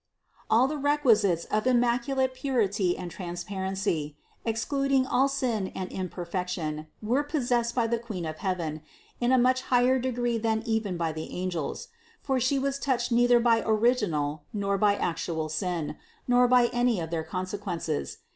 All the requisites of immaculate purity and transparency, excluding all sin and imperfection, were possessed by the Queen of heaven in a much higher de gree than even by the angels ; for She was touched neither by original nor by actual sin, nor by any of their conse quences.